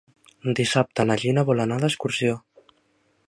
Dissabte na Gina vol anar d'excursió.